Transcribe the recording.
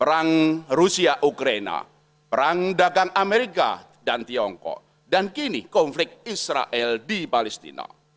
perang rusia ukraina perang dagang amerika dan tiongkok dan kini konflik israel di palestina